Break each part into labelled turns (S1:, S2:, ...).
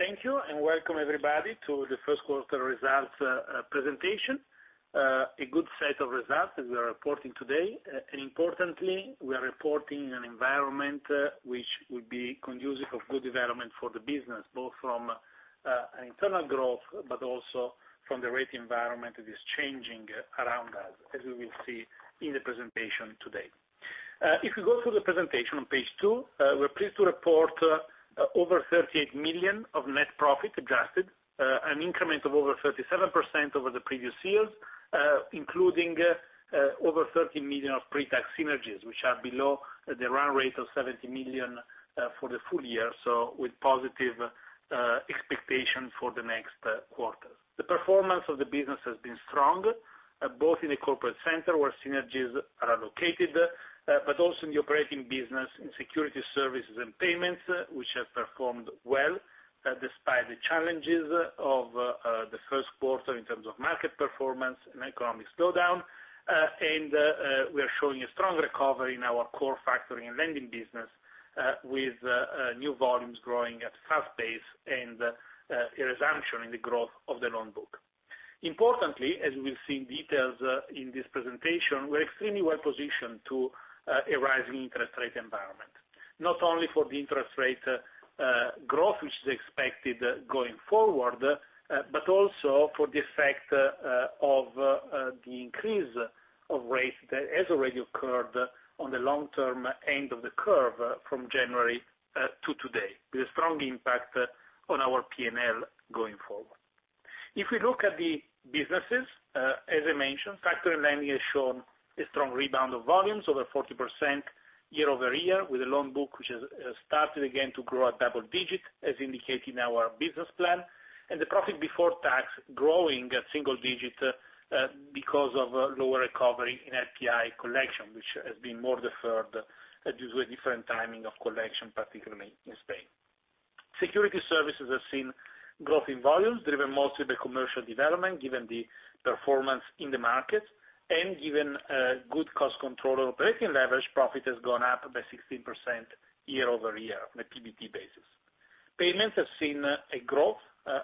S1: Thank you, and welcome everybody to the first quarter results presentation. A good set of results that we are reporting today. Importantly, we are reporting an environment which will be conducive of good development for the business, both from internal growth, but also from the rate environment that is changing around us, as we will see in the presentation today. If you go through the presentation on page two, we're pleased to report over 38 million of adjusted net profit, an increment of over 37% over the previous year, including over 30 million of pre-tax synergies, which are below the run rate of 70 million for the full year, so with positive expectation for the next quarters. The performance of the business has been strong, both in the corporate center where synergies are allocated, but also in the operating business in Securities Services and Payments, which has performed well, despite the challenges of the first quarter in terms of market performance and economic slowdown. We are showing a strong recovery in our core factoring and lending business, with new volumes growing at a fast pace and a resumption in the growth of the loan book. Importantly, as we'll see in details in this presentation, we're extremely well-positioned to a rising interest rate environment. Not only for the interest rate growth which is expected going forward, but also for the effect of the increase of rates that has already occurred on the long-term end of the curve from January to today, with a strong impact on our PNL going forward. If we look at the businesses, as I mentioned, Factoring & Lending has shown a strong rebound of volumes, over 40% year-over-year, with a loan book which has started again to grow at double-digit, as indicated in our business plan. The profit before tax growing at single-digit, because of lower recovery in NPL collection, which has been more deferred due to a different timing of collection, particularly in Spain. Securities Services have seen growth in volumes, driven mostly by commercial development, given the performance in the markets and given good cost control operating leverage, profit has gone up by 16% year-over-year on a PBT basis. Payments have seen a growth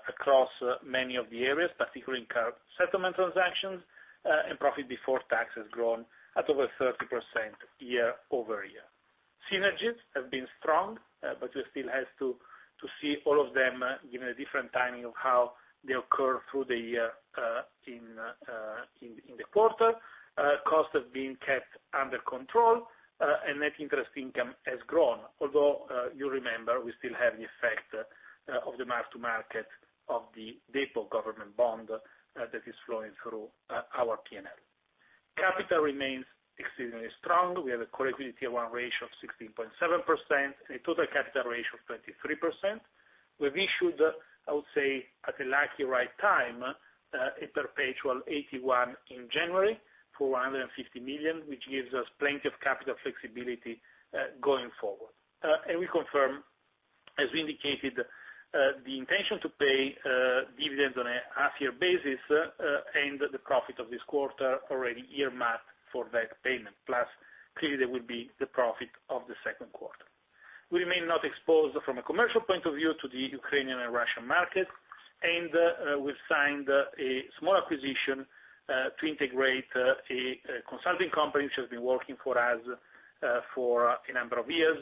S1: across many of the areas, particularly in card settlement transactions, and profit before tax has grown at over 30% year-over-year. Synergies have been strong, but we still have to see all of them given a different timing of how they occur through the year in the quarter. Costs have been kept under control, and net interest income has grown. Although you remember, we still have the effect of the mark-to-market of the DEPObank government bond that is flowing through our PNL. Capital remains exceedingly strong. We have a CET1 ratio of 16.7% and a total capital ratio of 23%. We've issued, I would say, at a lucky right time, a perpetual AT1 in January for 150 million, which gives us plenty of capital flexibility, going forward. We confirm, as we indicated, the intention to pay dividends on a half year basis, and the profit of this quarter already earmarked for that payment. Plus, clearly, there will be the profit of the second quarter. We remain not exposed from a commercial point of view to the Ukrainian and Russian markets, and we've signed a small acquisition to integrate a consulting company which has been working for us for a number of years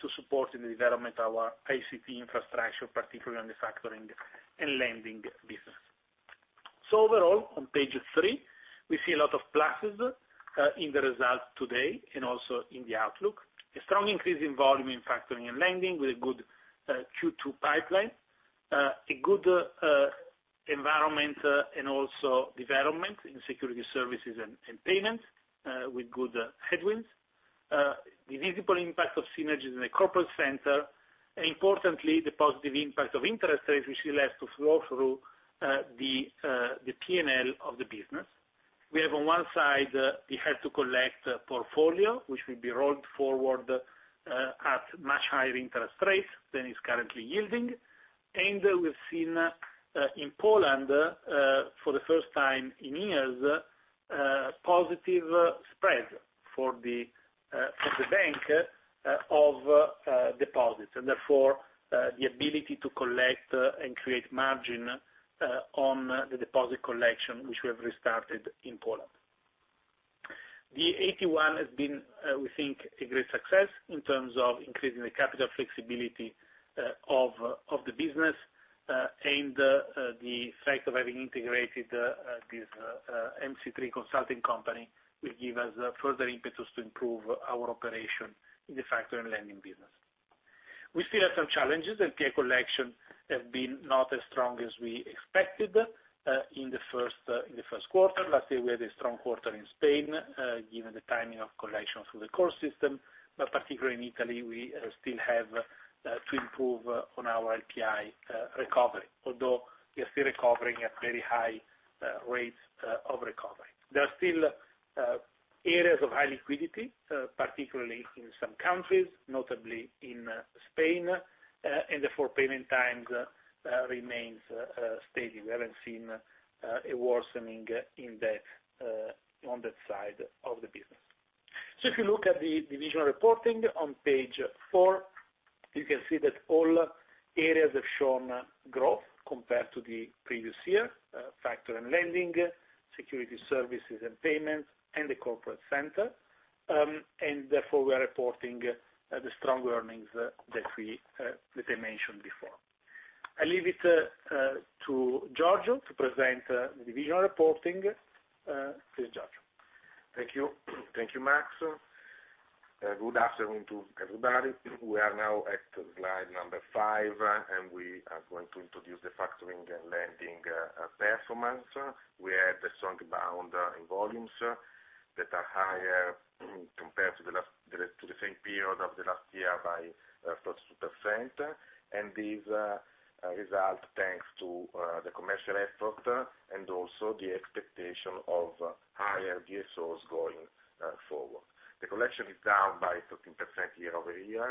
S1: to support in the development our ICT infrastructure, particularly on the factoring and lending business. Overall, on page three, we see a lot of pluses in the results today and also in the outlook. A strong increase in volume in factoring and lending with a good Q2 pipeline. A good environment and also development in securities services and payments with good tailwinds. The visible impact of synergies in the corporate center, and importantly, the positive impact of interest rates, which still has to flow through the P&L of the business. We have on one side to collect portfolio, which will be rolled forward at much higher interest rates than is currently yielding. We've seen in Poland for the first time in years a positive spread for the bank of deposits, and therefore the ability to collect and create margin on the deposit collection, which we have restarted in Poland. The AT1 has been we think a great success in terms of increasing the capital flexibility of the business and the fact of having integrated this MC3 consulting company will give us further impetus to improve our operation in the factoring and lending business. We still have some challenges. NPL collection have been not as strong as we expected in the first quarter. Lastly, we had a strong quarter in Spain, given the timing of collections through the core system. Particularly in Italy, we still have to improve on our NPL recovery, although we are still recovering at very high rates of recovery. There are still areas of high liquidity, particularly in some countries, notably in Spain, and therefore payment times remains steady. We haven't seen a worsening on that side of the business. If you look at the divisional reporting on page four, you can see that all areas have shown growth compared to the previous year, Factoring & Lending, Securities Services and Payments and the corporate center. Therefore, we are reporting the strong earnings that I mentioned before. I leave it to Giorgio to present the divisional reporting. Please, Giorgio.
S2: Thank you. Thank you, Max. Good afternoon to everybody. We are now at slide number five, and we are going to introduce the Factoring & Lending performance. We had a strong bound in volumes that are higher compared to the same period of the last year by 30%. These results, thanks to the commercial effort and also the expectation of higher DSOs going forward. The collection is down by 13% year-over-year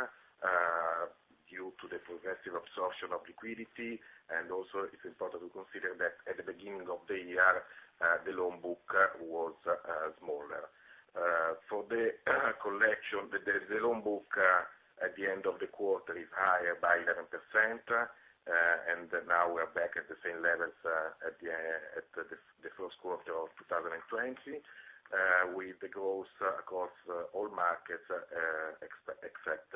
S2: due to the progressive absorption of liquidity. It's important to consider that at the beginning of the year, the loan book was smaller. For the collection, the loan book at the end of the quarter is higher by 11%, and now we are back at the same levels at the first quarter of 2020, with the growth across all markets except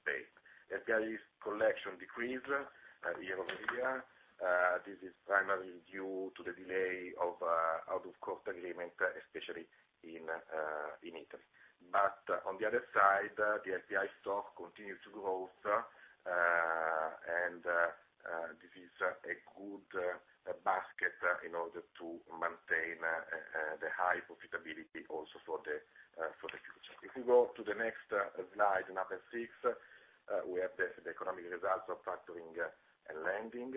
S2: Spain. NPLs collection decreased year-over-year. This is primarily due to the delay of out-of-court agreement, especially in Italy. On the other side, the NPL stock continues to grow, and this is a good basket in order to maintain the high profitability also for the future. If we go to the next slide, number 6, we have the economic results of Factoring & Lending.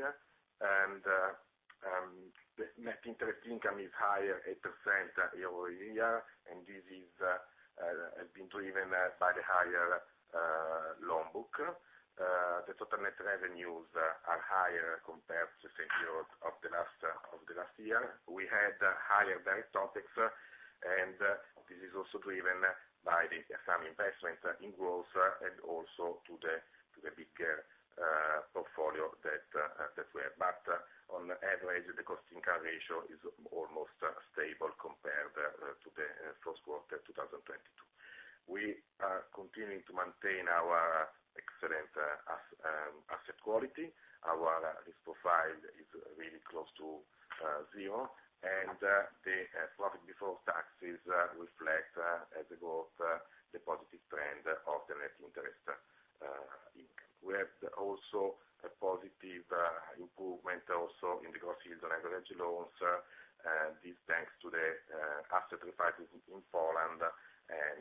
S2: The net interest income is higher 8% year-over-year, and this has been driven by the higher loan book. The total net revenues are higher compared to same period of the last year. We had higher direct topics, and this is also driven by some investment in growth and also due to the bigger portfolio that we have. The cost-income ratio is almost stable compared to the first quarter 2022. We are continuing to maintain our excellent asset quality. Our risk profile is really close to zero, and the profit before taxes reflect the growth, the positive trend of the net interest income. We have also a positive improvement also in the gross yields on average loans. This thanks to the asset refinance in Poland and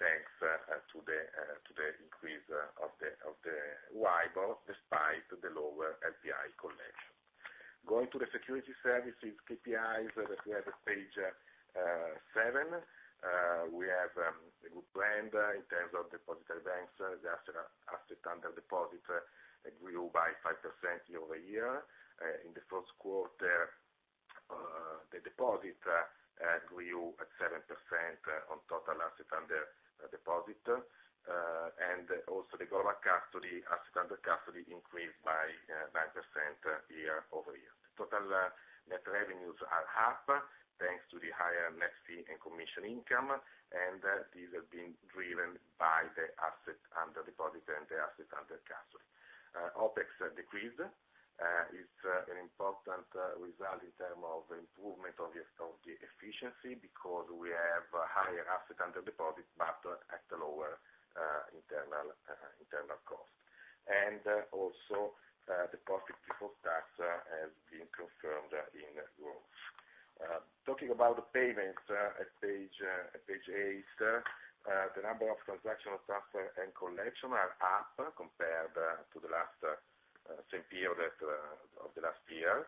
S2: thanks to the increase of the WIBOR, despite the lower NPL collection. Going to the Securities Services KPIs that we have at page seven. We have a good trend in terms of depositary banks. The assets under depositary grew by 5% year-over-year. In the first quarter, the deposit grew at 7% on total assets under depositary. Also the Global Custody assets under custody increased by 9% year-over-year. Total net revenues are up, thanks to the higher net fee and commission income, and these are being driven by the assets under depositary and the assets under custody. OpEx decrease is an important result in terms of improvement of the efficiency because we have higher assets under depositary, but at a lower internal cost. Also, the profit before tax has been confirmed in growth. Talking about the payments at page eight. The number of transactions and collections are up compared to the same period of the last year.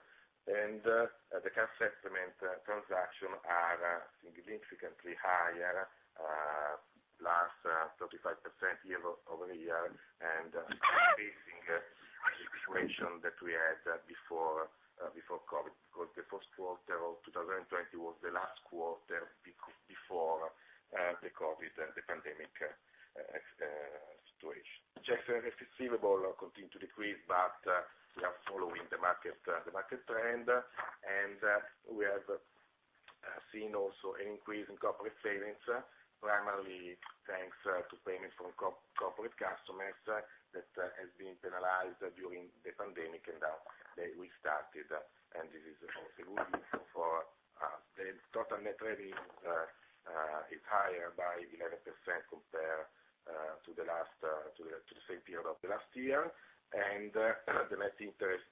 S2: The cash settlement transactions are significantly higher, +35% year-over-year. Increasing the situation that we had before COVID, because the first quarter of 2020 was the last quarter before the COVID and the pandemic situation. Checks and receivables continue to decrease, but we are following the market trend. We have seen also an increase in corporate savings, primarily thanks to payments from corporate customers that has been penalized during the pandemic, and now they restarted, and this is also good for us. The total net revenue is higher by 11% compared to the same period of the last year. The net interest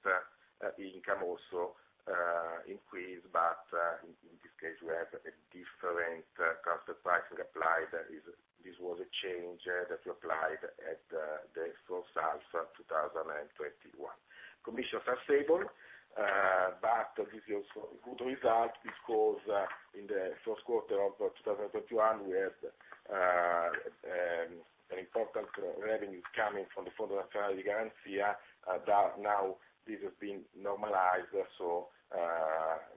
S2: income also increased, but in this case, we have a different transfer pricing applied. That is, this was a change that we applied at the first half of 2021. Commissions are stable, but this is also a good result because in the first quarter of 2021, we had
S1: Important revenues coming from the Fondo di Garanzia that now this has been normalized.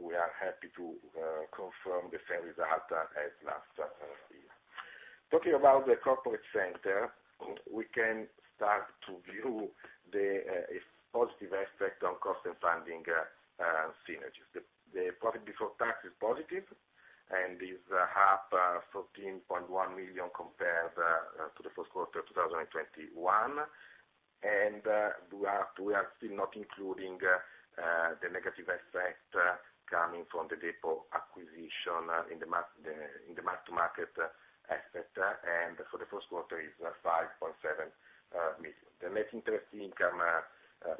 S1: We are happy to confirm the same result as last year. Talking about the corporate center, we can start to view a positive effect on cost and funding synergies. The profit before tax is positive and is up 13.1 million compared to the first quarter of 2021. We are still not including the negative effect coming from the DEPObank acquisition in the mark-to-market aspect, so the first quarter is 5.7 million. The net interest income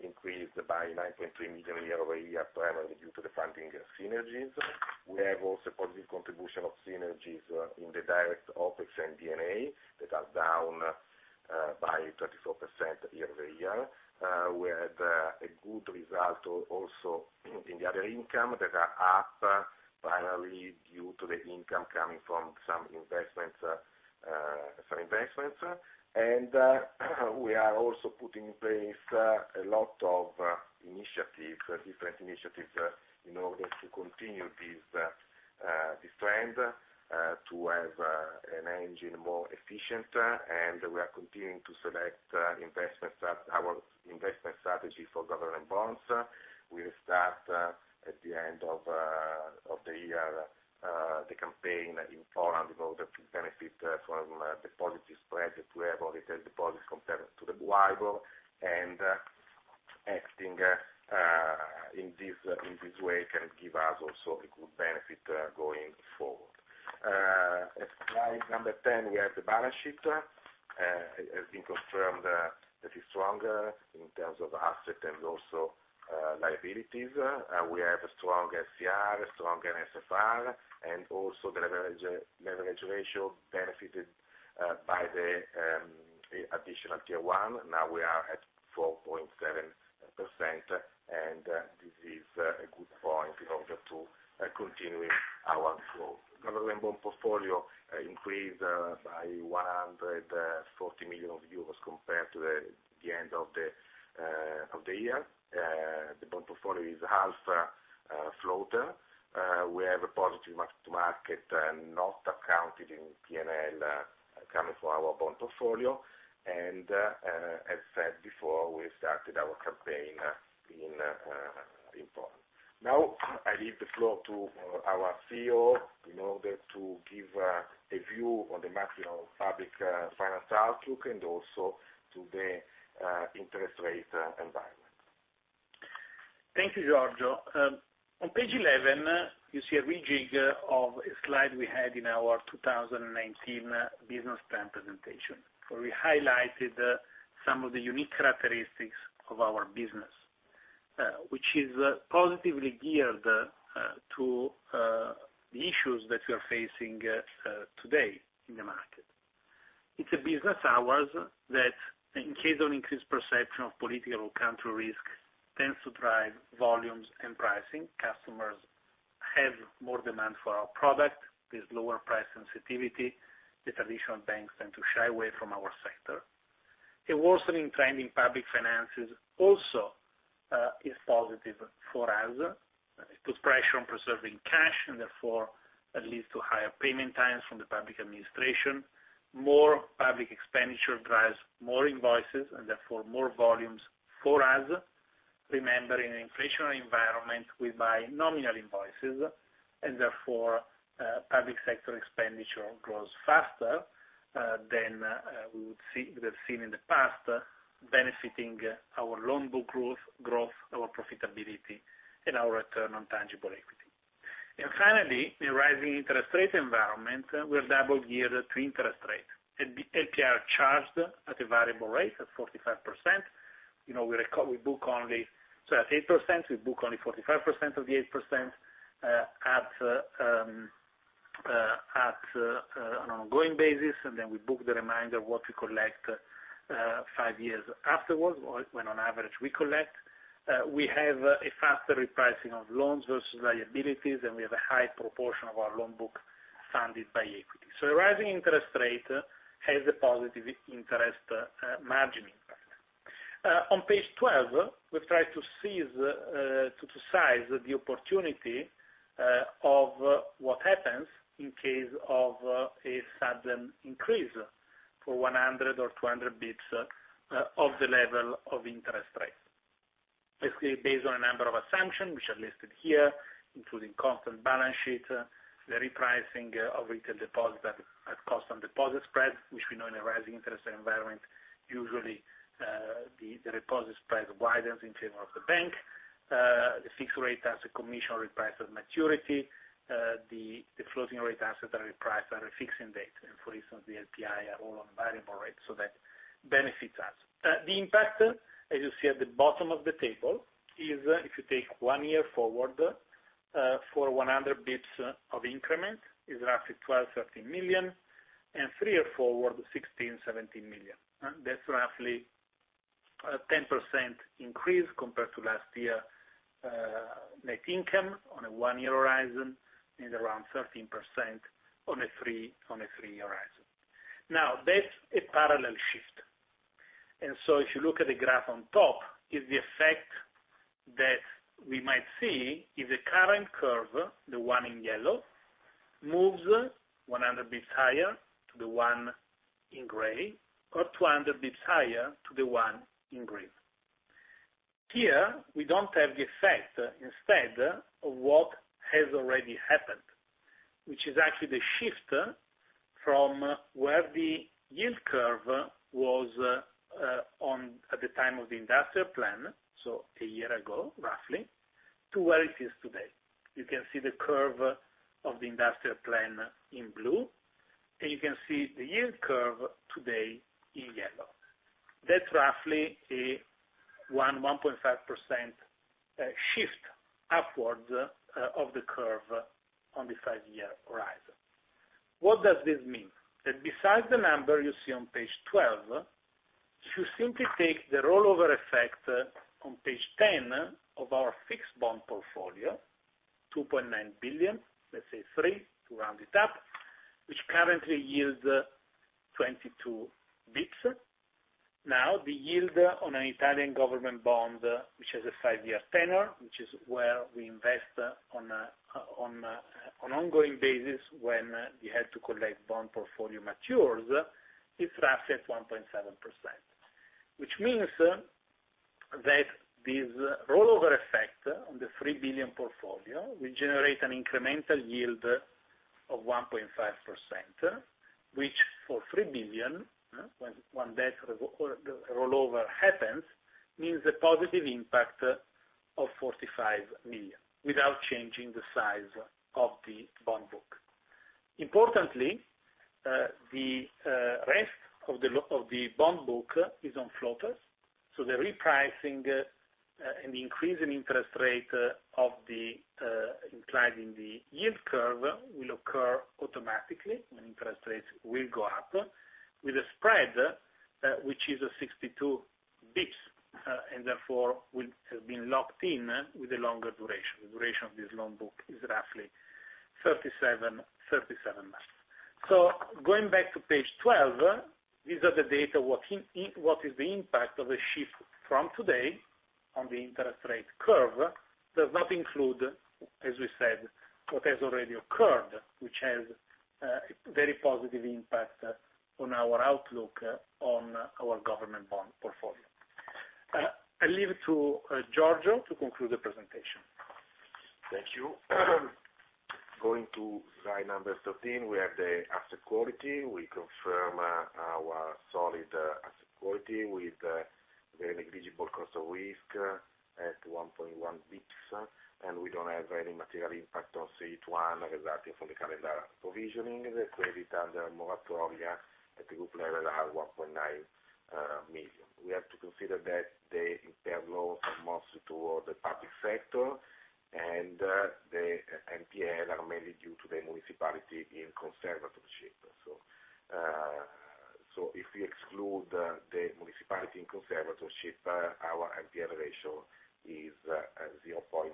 S1: increased by 9.3 million year-over-year, primarily due to the funding synergies. We have also positive contribution of synergies in the direct OpEx and D&A that are down by 24% year-over-year. We had a good result also in the other income that are up primarily due to the income coming from some investments. We are also putting in place a lot of different initiatives in order to continue this trend to have a more efficient engine. We are continuing to select our investment strategy for government bonds. We'll start at the end of the year the campaign in Poland in order to benefit from deposit spread. We have already had deposits compared to the
S2: Acting in this way can give us also a good benefit going forward. Slide number 10, we have the balance sheet. It has been confirmed that is stronger in terms of assets and also liabilities. We have a strong LCR, a strong NSFR, and also the leverage ratio benefited by the additional tier one. Now we are at 4.7%, and this is a good point in order to continuing our flow. Government bond portfolio increased by EUR 140 million compared to the end of the year. The bond portfolio is half floater. We have a positive mark-to-market not accounted in PNL coming from our bond portfolio. As said before, we started our campaign in Poland. Now, I leave the floor to our CEO in order to give a view on the macro public finance outlook and also to the interest rate environment.
S1: Thank you, Giorgio. On page 11, you see a rejig of a slide we had in our 2019 business plan presentation, where we highlighted some of the unique characteristics of our business, which is positively geared to the issues that we are facing today in the market. It's our business that in case of increased perception of political or country risk tends to drive volumes and pricing. Customers have more demand for our product. There's lower price sensitivity. The traditional banks tend to shy away from our sector. A worsening trend in public finances also is positive for us. It puts pressure on preserving cash, and therefore that leads to higher payment times from the public administration. More public expenditure drives more invoices and therefore more volumes for us. Remember, in an inflationary environment, we buy nominal invoices, and therefore, public sector expenditure grows faster than we have seen in the past, benefiting our loan book growth, our profitability and our return on tangible equity. Finally, in rising interest rate environment, we're double geared to interest rate. APR charged at a variable rate of 45%. You know, we book only so at 8%, we book only 45% of the 8%, at an ongoing basis, and then we book the remainder what we collect, five years afterwards, or when on average we collect. We have a faster repricing of loans versus liabilities, and we have a high proportion of our loan book funded by equity. A rising interest rate has a positive interest margin impact. On page 12, we've tried to size the opportunity of what happens in case of a sudden increase for 100 or 200 bps of the level of interest rates. Basically, based on a number of assumptions, which are listed here, including constant balance sheet, the repricing of retail deposits at cost-to-deposit spread, which we know in a rising interest rate environment, usually the deposit spread widens in favor of the bank. The fixed rate assets and commissions repriced at maturity. The floating rate assets are repriced at a fixing date. For instance, the API are all on variable rates, so that benefits us. The impact, as you see at the bottom of the table, is if you take one year forward, for 100 basis points of increment, is roughly 12-13 million, and three-year forward, 16-17 million. That's roughly a 10% increase compared to last year, net income on a one-year horizon and around 13% on a three-year horizon. Now, that's a parallel shift. If you look at the graph on top, is the effect that we might see if the current curve, the one in yellow, moves 100 basis points higher to the one in gray or 200 basis points higher to the one in green. Here, we don't have the effect instead of what has already happened, which is actually the shift from where the yield curve was on at the time of the industrial plan, so a year ago, roughly, to where it is today. You can see the curve of the industrial plan in blue, and you can see the yield curve today in yellow. That's roughly a 1.5% shift upwards of the curve on the five-year horizon. What does this mean? That besides the number you see on page twelve, if you simply take the rollover effect on page ten of our fixed bond portfolio, 2.9 billion, let's say three to round it up, which currently yields 22 basis points. Now, the yield on an Italian government bond, which has a five-year tenor, which is where we invest on an ongoing basis when we had to collect bond portfolio matures, is roughly at 1.7%. Which means that this rollover effect on the 3 billion portfolio will generate an incremental yield of 1.5%, which for 3 billion, when that rollover happens, means a positive impact of 45 million without changing the size of the bond book. Importantly, the rest of the bond book is on floaters, so the repricing and the increase in interest rates and the incline in the yield curve will occur automatically when interest rates go up. With a spread, which is 62 basis points, and therefore will have been locked in with a longer duration. The duration of this loan book is roughly 37 months. Going back to page 12, these are the data, what is the impact of a shift from today on the interest rate curve. It does not include, as we said, what has already occurred, which has a very positive impact on our outlook on our government bond portfolio. I leave it to Giorgio to conclude the presentation.
S2: Thank you. Going to slide number 13, we have the asset quality. We confirm our solid asset quality with very negligible cost of risk at 1.1 basis points. We don't have any material impact on CET1 resulting from the calendar provisioning. The credit under moratoria at group level are 1.9 million. We have to consider that the impaired loans are mostly toward the public sector, and the NPL are mainly due to the municipality under extraordinary administration. If we exclude the municipality under extraordinary administration, our NPL ratio is 0.2%.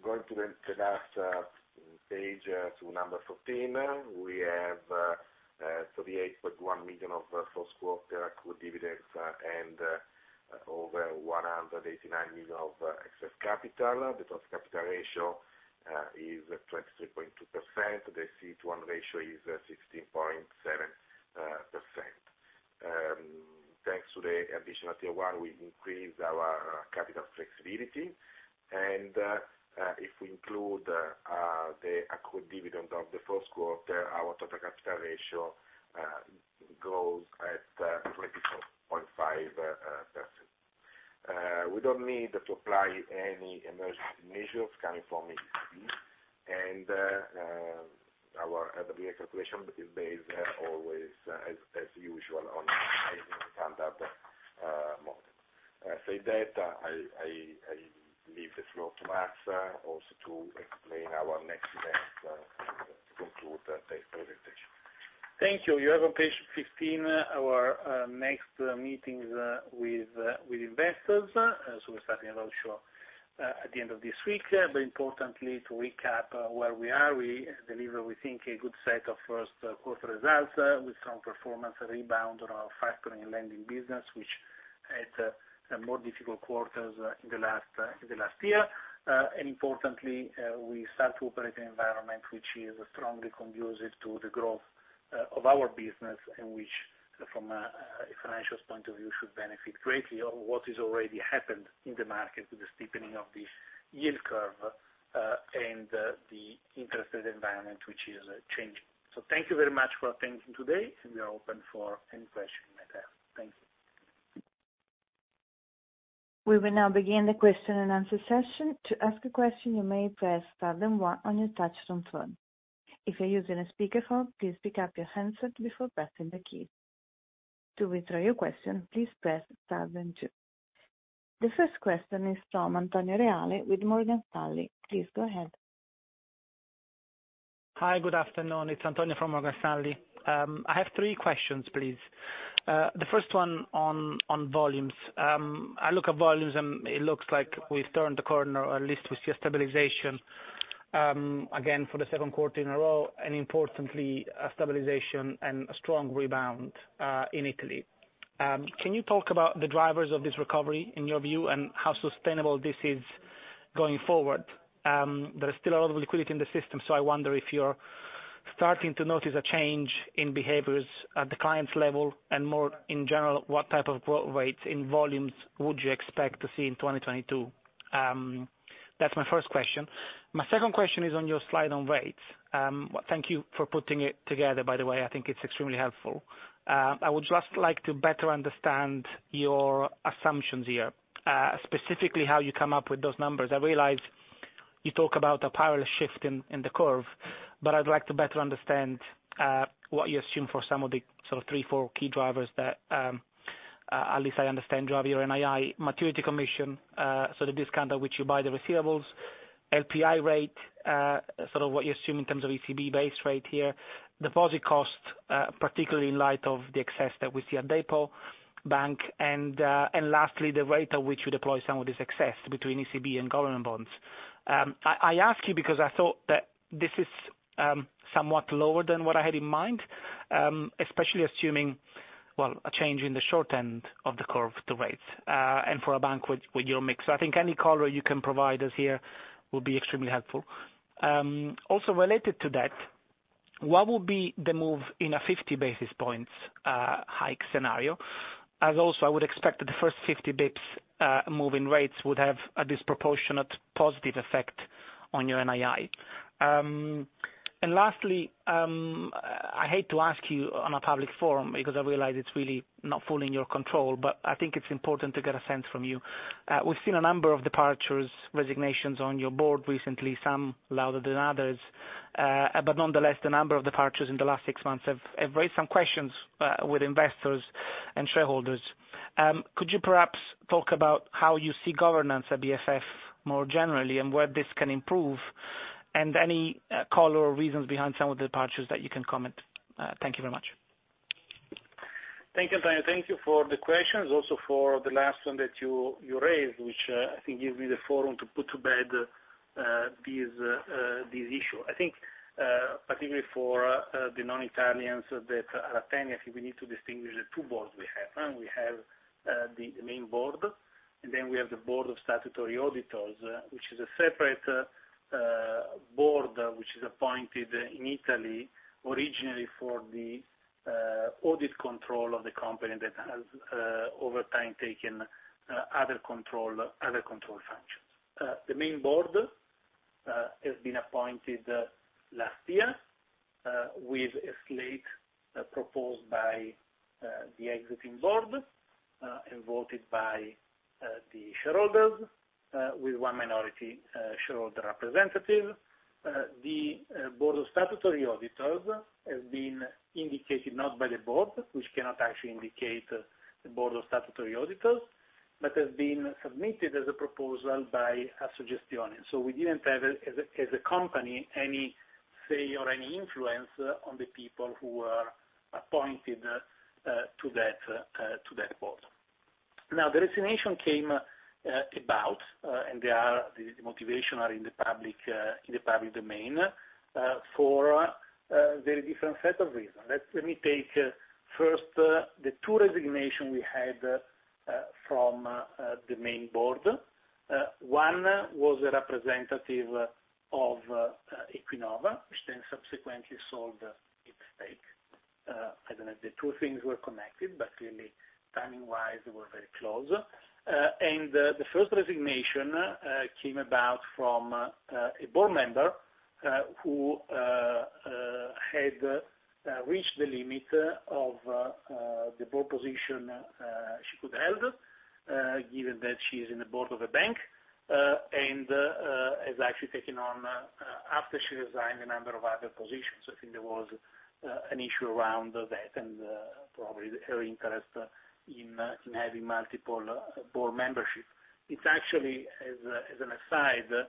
S2: Going to the last page, to number 14. We have 38.1 million of first quarter accrued dividends, and over 189 million of excess capital. The total capital ratio is 23.2%. The CET1 ratio is 16.7%. Thanks to the additional tier one, we increased our capital flexibility. If we include the accrued dividend of the first quarter, our total capital ratio goes at 24.5%. We don't need to apply any emergency measures coming from ECB. Our RWA calculation is based always, as usual, on an internal standard model. Having said that, I leave the floor to Max also to explain our next events to conclude the presentation.
S1: Thank you. You have on page 15 our next meetings with investors. We're starting a roadshow at the end of this week. Importantly, to recap where we are. We deliver, we think, a good set of first quarter results with strong performance rebound on our factoring and lending business, which had more difficult quarters in the last year. Importantly, we start to operate in an environment which is strongly conducive to the growth of our business. Which from a financial point of view, should benefit greatly of what has already happened in the market with the steepening of the yield curve, and the interest rate environment, which is changing. Thank you very much for attending today, and we are open for any question you might have. Thank you.
S3: We will now begin the question-and-answer session. To ask a question, you may press star then one on your touchtone phone. If you're using a speakerphone, please pick up your handset before pressing the key. To withdraw your question, please press star then two. The first question is from Antonio Reale with Morgan Stanley. Please go ahead.
S4: Hi, good afternoon. It's Antonio from Morgan Stanley. I have three questions, please. The first one on volumes. I look at volumes, and it looks like we've turned the corner, or at least we see a stabilization, again for the second quarter in a row, and importantly, a stabilization and a strong rebound in Italy. Can you talk about the drivers of this recovery in your view and how sustainable this is going forward? There is still a lot of liquidity in the system, so I wonder if you're starting to notice a change in behaviors at the clients level and more in general, what type of growth rates in volumes would you expect to see in 2022? That's my first question. My second question is on your slide on rates. Thank you for putting it together, by the way. I think it's extremely helpful. I would just like to better understand your assumptions here, specifically how you come up with those numbers. I realize you talk about a parallel shift in the curve, but I'd like to better understand what you assume for some of the sort of three, four key drivers that at least I understand drive your NII maturity commission, so the discount at which you buy the receivables, LPI rate, sort of what you assume in terms of ECB base rate here, deposit costs, particularly in light of the excess that we see at DEPObank, and lastly, the rate at which you deploy some of this excess between ECB and government bonds. I ask you because I thought that this is somewhat lower than what I had in mind, especially assuming well, a change in the short end of the curve, the rates, and for a bank with your mix. I think any color you can provide us here will be extremely helpful. Also related to that, what will be the move in a 50 basis points hike scenario? As also, I would expect that the first 50 bps move in rates would have a disproportionate positive effect on your NII. Lastly, I hate to ask you on a public forum because I realize it's really not fully in your control, but I think it's important to get a sense from you. We've seen a number of departures, resignations on your board recently, some louder than others, but nonetheless, the number of departures in the last six months have raised some questions with investors and shareholders. Could you perhaps talk about how you see governance at BFF more generally and where this can improve and any color or reasons behind some of the departures that you can comment? Thank you very much.
S1: Thank you, Antonio. Thank you for the questions, also for the last one that you raised, which I think gives me the forum to put to bed these issue. I think, particularly for the non-Italians that are attending, I think we need to distinguish the two boards we have. We have the main board, and then we have the board of statutory auditors, which is a separate board which is appointed in Italy, originally for the audit control of the company that has over time taken other control functions. The main board has been appointed last year with a slate proposed by the exiting board and voted by the shareholders with one minority shareholder representative. The board of statutory auditors has been indicated not by the board, which cannot actually indicate the board of statutory auditors, but has been submitted as a proposal by Assogestioni. We didn't have as a company any say or any influence on the people who were appointed to that board. Now, the resignation came about, and they are, the motivation are in the public domain for very different set of reasons. Let me take first the two resignation we had from the main board. One was a representative of Equinova, which then subsequently sold its stake. I don't know if the two things were connected, but clearly timing-wise, they were very close. The first resignation came about from a board member who had reached the limit of the board position she could hold, given that she is in the board of a bank, and has actually taken on, after she resigned, a number of other positions. I think there was an issue around that and probably her interest in having multiple board membership. It's actually, as an aside, the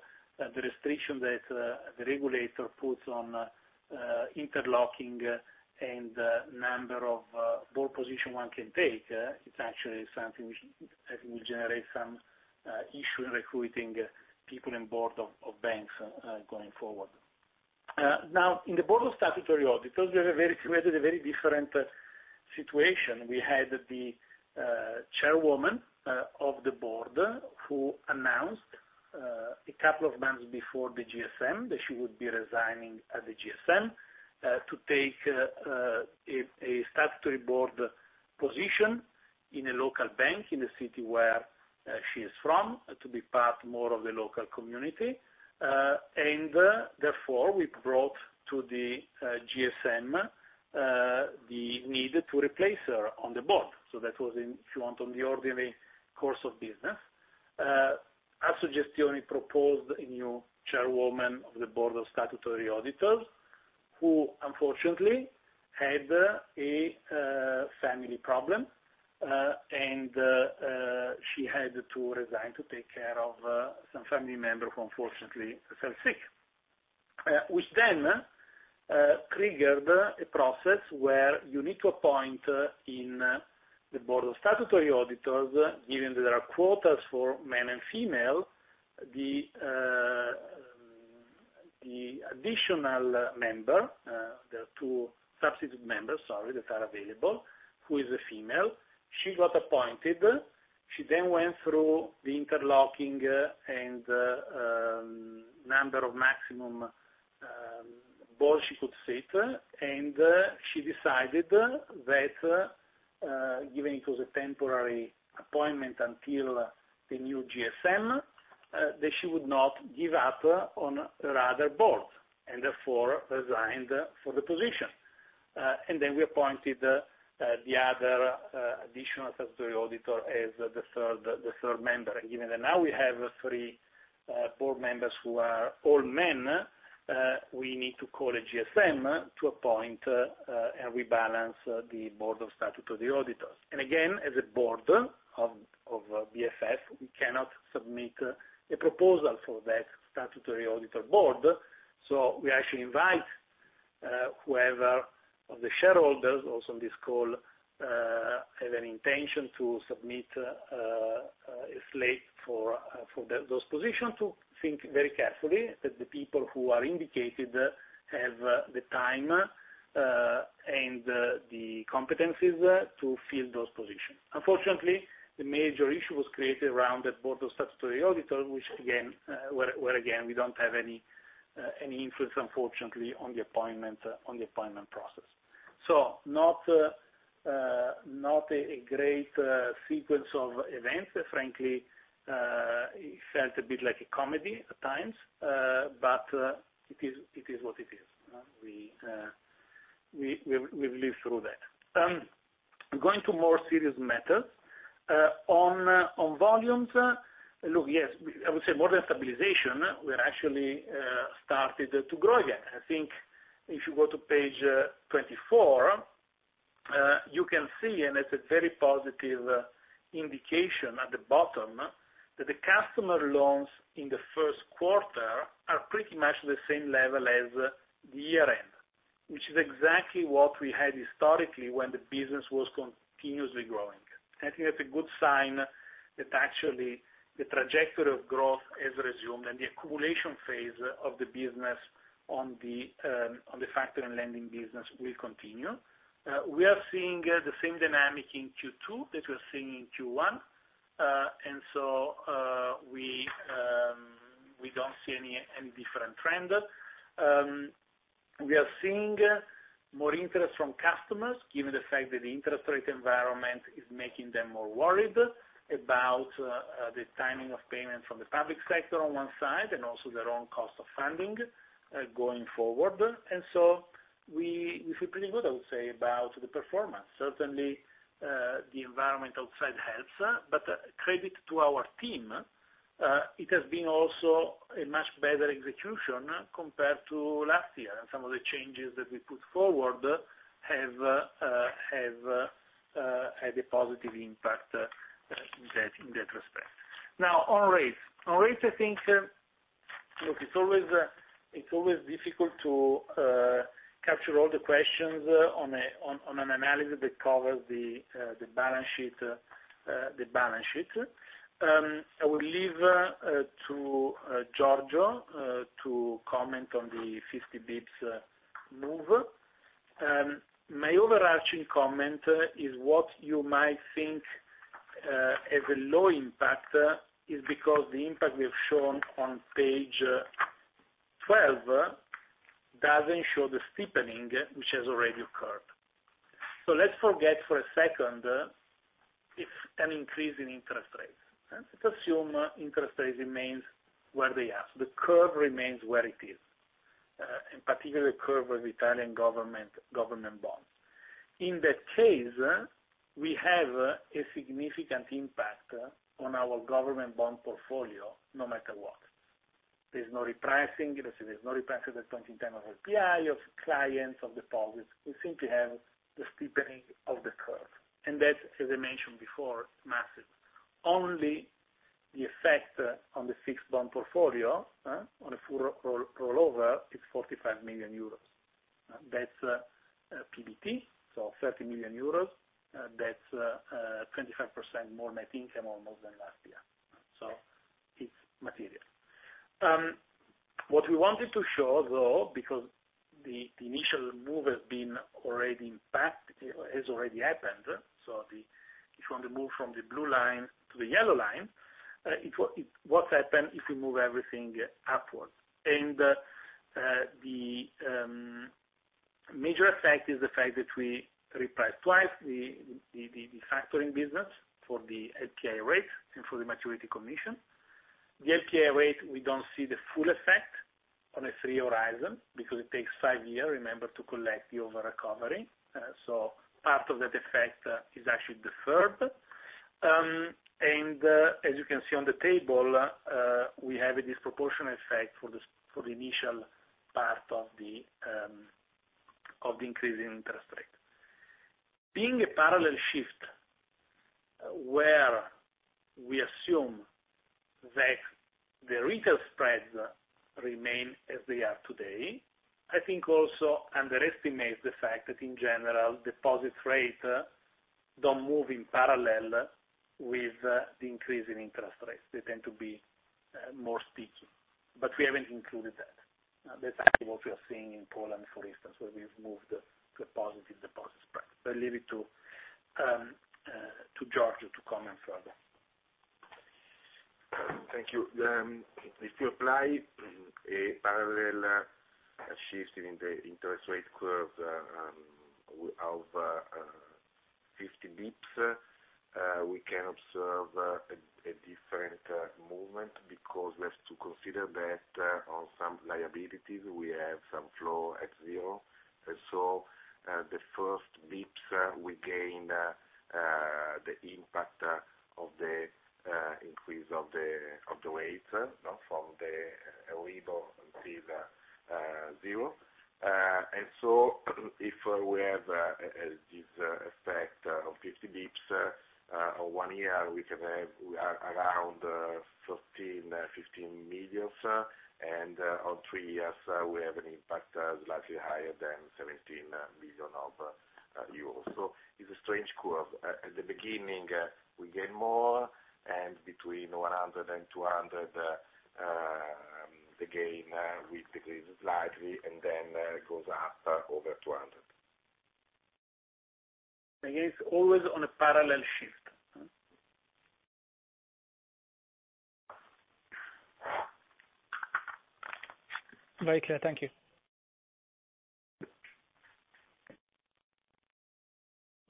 S1: restriction that the regulator puts on interlocking and number of board position one can take, it's actually something which I think will generate some issue in recruiting people in board of banks going forward. Now in the board of statutory auditors, we had a very different situation. We had the chairwoman of the board who announced a couple of months before the GSM that she would be resigning at the GSM to take a statutory board position in a local bank in the city where she is from, to be part more of the local community. Therefore, we brought to the GSM the need to replace her on the board. That was in, if you want, on the ordinary course of business. Assogestioni proposed a new chairwoman of the board of statutory auditors, who unfortunately had a family problem, and she had to resign to take care of some family member who unfortunately fell sick. Which then triggered a process where you need to appoint in the board of statutory auditors, given that there are quotas for men and female, the two substitute members that are available, who is a female. She got appointed. She then went through the interlocking and number of maximum boards she could sit, and she decided that given it was a temporary appointment until the new GSM that she would not give up on her other boards, and therefore resigned for the position. And then we appointed the other additional statutory auditor as the third member. Given that now we have three board members who are all men, we need to call a GSM to appoint and rebalance the board of statutory auditors. Again, as a board of BFF, we cannot submit a proposal for that statutory auditor board. We actually invite whoever of the shareholders also on this call have an intention to submit a slate for those positions, to think very carefully that the people who are indicated have the time and the competencies to fill those positions. Unfortunately, the major issue was created around the board of statutory auditors, which again, where again we don't have any influence unfortunately on the appointment process. Not a great sequence of events. Frankly, it felt a bit like a comedy at times. It is what it is. We've lived through that. Going to more serious matters on volumes. Look, yes, we are actually started to grow again. I would say more than stabilization. I think if you go to page 24, you can see, and it's a very positive indication at the bottom, that the customer loans in the first quarter are pretty much the same level as the year end, which is exactly what we had historically when the business was continuously growing. I think that's a good sign that actually the trajectory of growth has resumed and the accumulation phase of the business on the factoring and lending business will continue. We are seeing the same dynamic in Q2 that we're seeing in Q1. We don't see any different trend. We are seeing more interest from customers, given the fact that the interest rate environment is making them more worried about the timing of payments from the public sector on one side, and also their own cost of funding going forward. We feel pretty good, I would say, about the performance. Certainly, the environment outside helps, but credit to our team, it has been also a much better execution compared to last year. Some of the changes that we put forward have had a positive impact in that respect. Now on rates. On rates, I think, look, it's always difficult to capture all the questions on an analysis that covers the balance sheet. I will leave to Giorgio to comment on the 50 BPs move. My overarching comment is what you might think as a low impact is because the impact we have shown on page 12 doesn't show the steepening which has already occurred. Let's forget for a second if an increase in interest rates. Let's assume interest rates remains where they are. The curve remains where it is, in particular the curve of Italian government bonds. In that case, we have a significant impact on our government bond portfolio no matter what. There's no repricing at this point in time of LPI, of clients, of deposits. We simply have the steepening of the curve. That, as I mentioned before, massive. Only the effect on the fixed bond portfolio on a full rollover is 45 million euros. That's PBT, so 30 million euros. That's 25% more net income almost than last year. It's material. What we wanted to show though, because the initial move has already happened. If you want to move from the blue line to the yellow line, what's happened if we move everything upwards. The major effect is the fact that we reprice twice the factoring business for the LPI rate and for the maturity commission. The LPI rate, we don't see the full effect on a 3-year horizon because it takes five years, remember, to collect the over-recovery. Part of that effect is actually deferred. As you can see on the table, we have a disproportionate effect for the initial part of the increase in interest rate. Being a parallel shift where we assume that the retail spreads remain as they are today, I think also underestimates the fact that in general, deposit rates don't move in parallel with the increase in interest rates. They tend to be more sticky. We haven't included that. That's actually what we are seeing in Poland, for instance, where we've moved to a positive deposit spread. I'll leave it to Giorgio to comment further.
S2: Thank you. If you apply a parallel shift in the interest rate curve of 50 basis points, we can observe a different movement because we have to consider that on some liabilities we have some floor at zero. The first basis points we gain, the impact of the increase of the rates, you know, from the Euribor to the zero. If we have this effect of 50 basis points on one year, we can have around 13-15 million. On three years, we have an impact slightly higher than 17 million euros. It's a strange curve. At the beginning, we gain more, and between 100 and 200, the gain we decrease slightly, and then it goes up over 200.
S1: It's always on a parallel shift.
S4: Very clear. Thank you.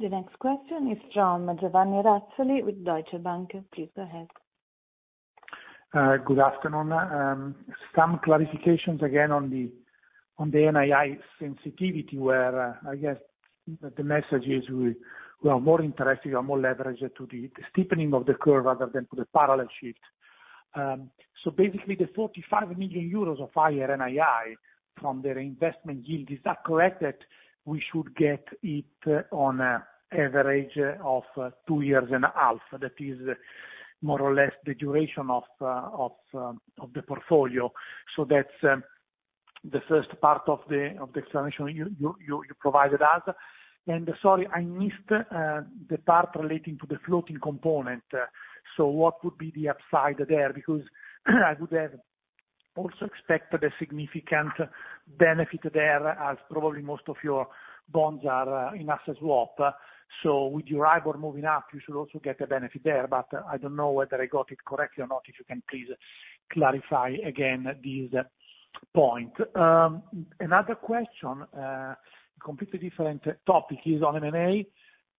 S3: The next question is from Giovanni Razzoli with Deutsche Bank. Please go ahead.
S5: Good afternoon. Some clarifications again on the NII sensitivity, where I guess the message is we are more interested or more leveraged to the steepening of the curve rather than to the parallel shift. Basically the 45 million euros of higher NII from the reinvestment yield, is that correct that we should get it on an average of two years and a half? That is more or less the duration of the portfolio. That's the first part of the explanation you provided us. Sorry, I missed the part relating to the floating component. What would be the upside there? Because I would have also expected a significant benefit there, as probably most of your bonds are in asset swap. With your Euribor moving up, you should also get a benefit there. I don't know whether I got it correctly or not. If you can please clarify again this point. Another question, completely different topic, is on M&A.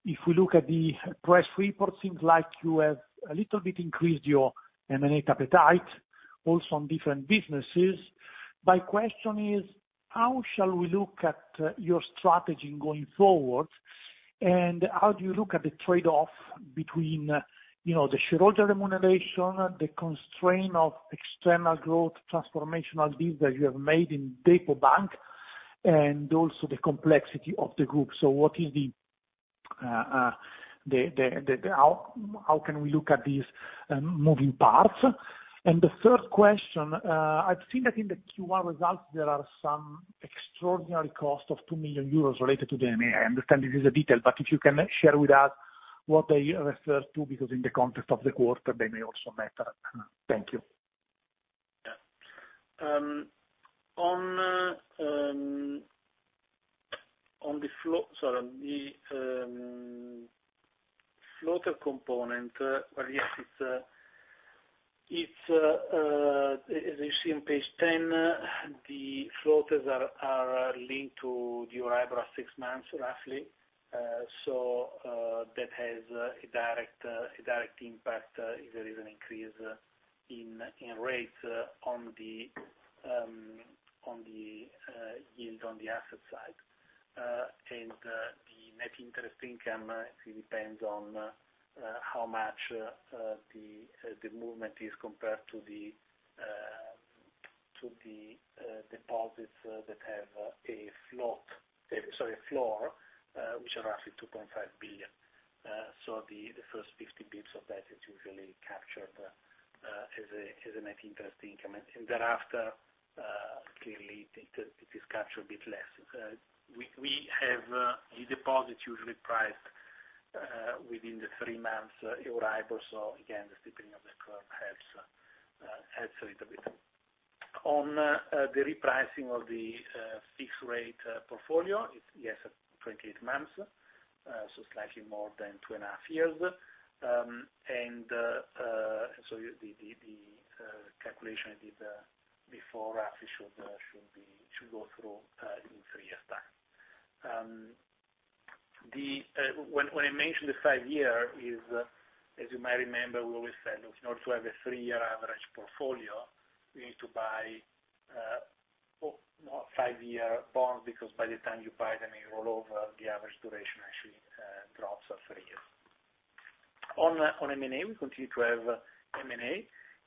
S5: If we look at the press reports, seems like you have a little bit increased your M&A appetite, also on different businesses. My question is, how shall we look at your strategy going forward? How do you look at the trade-off between, you know, the shareholder remuneration, the constraint of external growth, transformational deals that you have made in DEPObank, and also the complexity of the group? How can we look at these moving parts? The third question, I've seen that in the Q1 results, there are some extraordinary cost of 2 million euros related to the M&A. I understand this is a detail, but if you can share with us what they refer to, because in the context of the quarter, they may also matter. Thank you.
S1: Yeah. On the floater component, well, yes, it's as you see on page 10, the floaters are linked to the Euribor six months roughly. So, that has a direct impact if there is an increase in rates on the yield on the asset side. The net interest income actually depends on how much the movement is compared to the deposits that have a floor, which are roughly 2.5 billion. The first 50 basis points of that is usually captured as a net interest income. Thereafter, clearly it is captured a bit less. We have the deposits usually priced within the three-month Euribor, so again, the steepening of the curve helps a little bit. On the repricing of the fixed-rate portfolio, it's yes, 28 months, so slightly more than 2.5 years. The calculation I did before actually should go through in three years' time. When I mentioned the five-year is, as you might remember, we always said, in order to have a three-year average portfolio, we need to buy five-year bond, because by the time you buy them, you roll over the average duration actually drops at three years. On M&A, we continue to have M&A.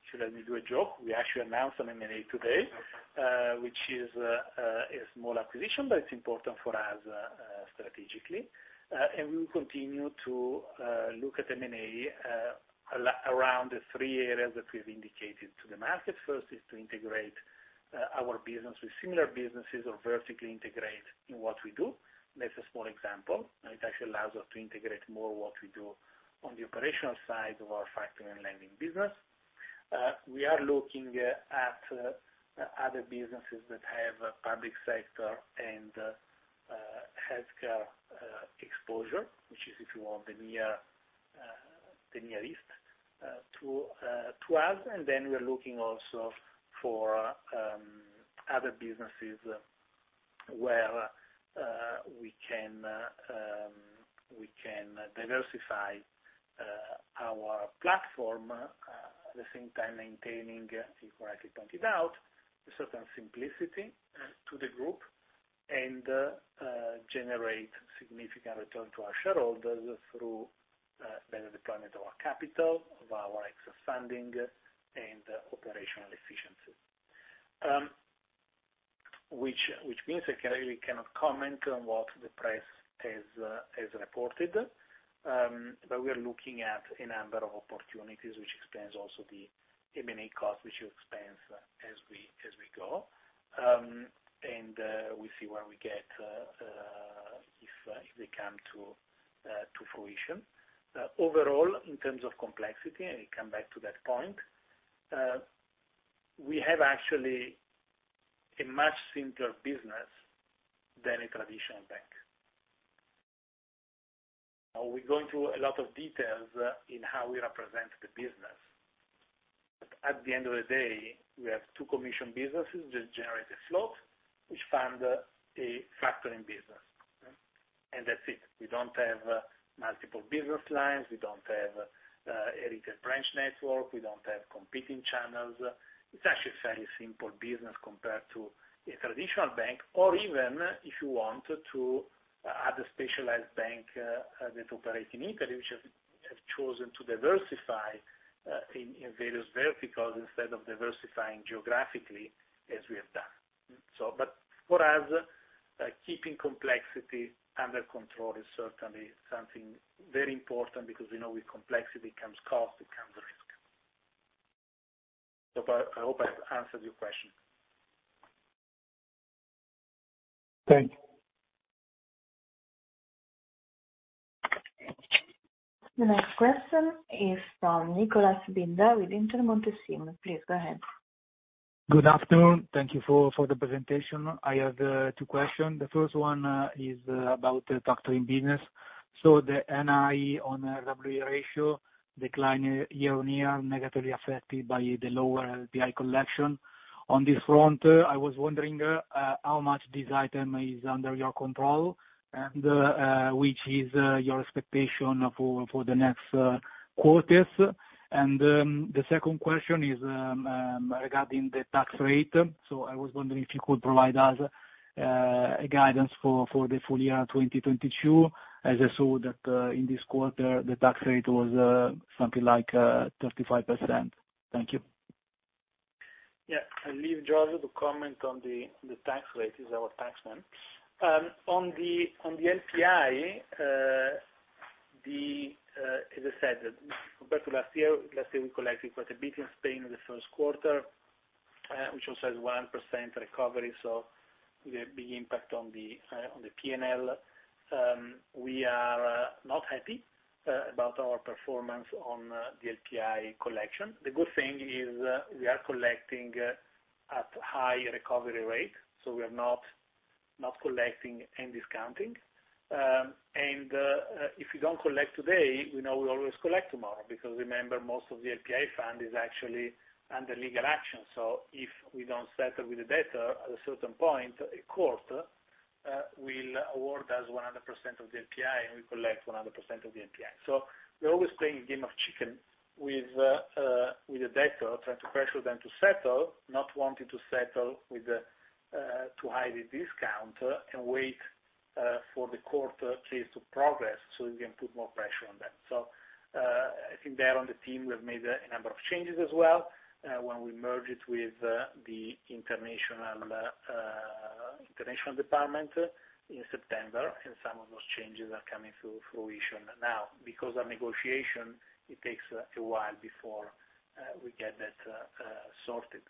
S1: Should let me do a joke. We actually announced an M&A today, which is a small acquisition, but it's important for us strategically. We will continue to look at M&A around the three areas that we've indicated to the market. First is to integrate our business with similar businesses or vertically integrate in what we do. That's a small example. It actually allows us to integrate more what we do on the operational side of our factoring and lending business. We are looking at other businesses that have public sector and healthcare exposure, which is, if you want, the nearest to us. We're looking also for other businesses where we can diversify our platform at the same time maintaining, as correctly pointed out, a certain simplicity to the group and generate significant return to our shareholders through better deployment of our capital, of our excess funding and operational efficiency. Which means, again, we cannot comment on what the press has reported. We are looking at a number of opportunities which expands also the M&A scope, which expands as we go. We see what we get if they come to fruition. Overall, in terms of complexity, and we come back to that point, we have actually a much simpler business than a traditional bank. Are we going through a lot of details in how we represent the business? At the end of the day, we have two commission businesses that generate a float, which fund a factoring business. That's it. We don't have multiple business lines. We don't have a retail branch network. We don't have competing channels. It's actually a fairly simple business compared to a traditional bank or even, if you want to, other specialized bank that operate in Italy, which have chosen to diversify in various verticals instead of diversifying geographically as we have done. For us, keeping complexity under control is certainly something very important because we know with complexity comes cost, it comes risk. I hope I have answered your question.
S6: Thanks.
S3: The next question is from Niccolò Binda with Intermonte SIM. Please go ahead.
S6: Good afternoon. Thank you for the presentation. I have two questions. The first one is about the factoring business. The NII on RWA ratio decline year on year negatively affected by the lower LPI collection. On this front, I was wondering how much this item is under your control, and which is your expectation for the next quarters. The second question is regarding the tax rate. I was wondering if you could provide us a guidance for the full year 2022, as I saw that in this quarter, the tax rate was something like 35%. Thank you.
S1: Yeah. I leave Giorgio to comment on the tax rate. He's our tax man. On the LPI, as I said, compared to last year, we collected quite a bit in Spain in the first quarter, which also has 1% recovery, so the big impact on the P&L. We are not happy about our performance on the LPI collection. The good thing is we are collecting at high recovery rate, so we are not collecting and discounting. If you don't collect today, we know we always collect tomorrow, because remember, most of the LPI fund is actually under legal action. If we don't settle with the debtor at a certain point, a court will award us 100% of the LPI, and we collect 100% of the LPI. We're always playing a game of chicken with the debtor, trying to pressure them to settle, not wanting to settle with too high a discount, and wait for the court case to progress so we can put more pressure on them. I think there on the team, we have made a number of changes as well when we merged with the international department in September, and some of those changes are coming to fruition now. Because of negotiation, it takes a while before we get that sorted.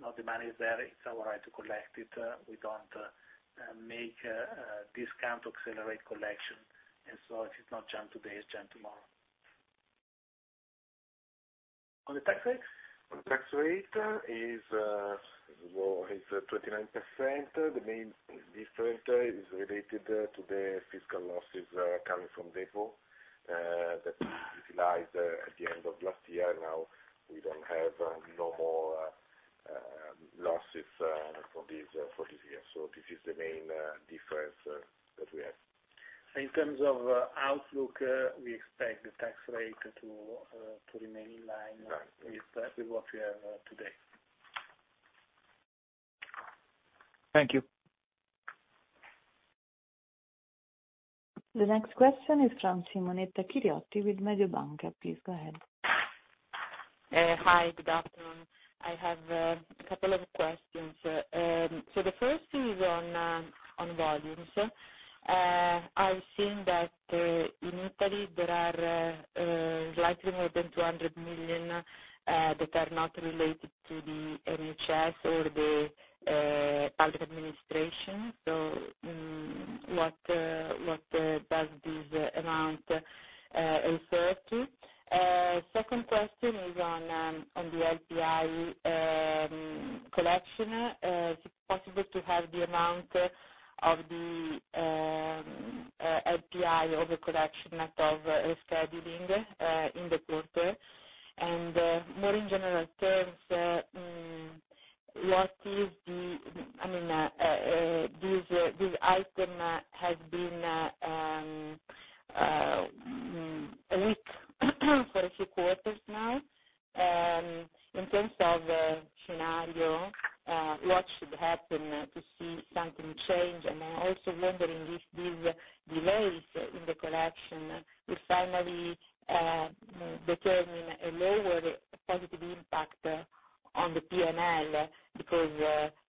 S1: Now the money is there, it's our right to collect it. We don't make a discount to accelerate collection. If it's not done today, it's done tomorrow. On the tax rate?
S2: On te tax rate, wehll, is 29%. The main difference is related to the fiscal losses coming from DEPObank that we utilized at the end of last year. Now we don't have no more losses for this.
S1: The main difference that we have in terms of outlook. We expect the tax rate to remain in line with what we have today.
S6: Thank you.
S3: The next question is from Simonetta Chiriotti with Mediobanca. Please go ahead.
S7: Hi. Good afternoon. I have a couple of questions. The first is on volumes. I've seen that in Italy there are slightly more than 200 million that are not related to the NHS or the public administration. What does this amount refer to? Second question is on the LPI collection. Is it possible to have the amount of the LPI over collection of rescheduling in the quarter? More in general terms, I mean, this item has been weak for a few quarters now. In terms of scenario, what should happen to see something change? Then also wondering if these delays in the collection will finally determine a lower positive impact on the PNL because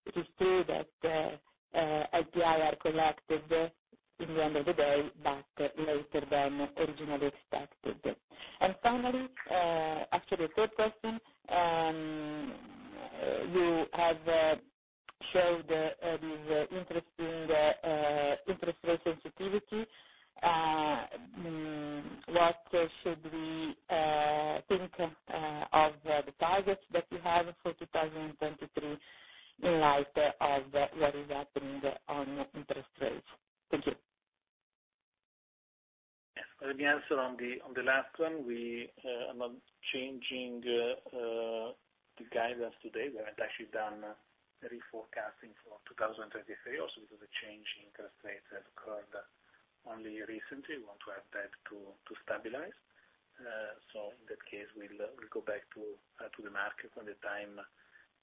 S7: it is true that LPI are collected in the end of the day, but later than originally expected. Finally, actually a third question, you have showed this interesting interest rate sensitivity. What should we think of the targets that you have for 2023 in light of what is happening on interest rates? Thank you.
S1: Yes. Let me answer on the last one. We are not changing the guidance today. We have actually done reforecasting for 2023 also because the change in interest rates has occurred only recently. We want to have that to stabilize. In that case, we'll go back to the market when the time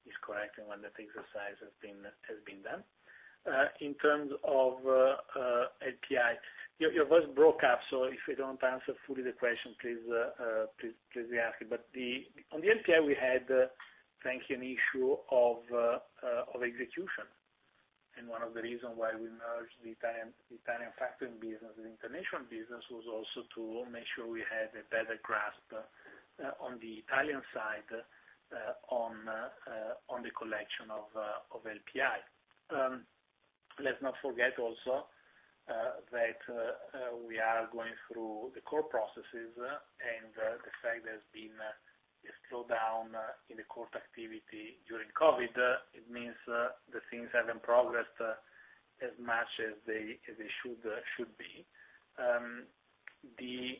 S1: is correct and when that exercise has been done. In terms of LPI, your voice broke up, so if we don't answer fully the question, please re-ask it. On the LPI, we had, frankly, an issue of execution. One of the reasons why we merged the Italian factoring business and international business was also to make sure we have a better grasp on the Italian side on the collection of LPI. Let's not forget also that we are going through the court processes and the fact there's been a slowdown in the court activity during COVID. It means that things haven't progressed as much as they should be. The